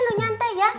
lu nyantai ya